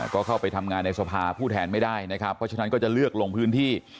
ก็เข้าไปทำงานในสภาผู้แทนไม่ได้นะครับเพราะฉะนั้นก็จะเลือกลงพื้นที่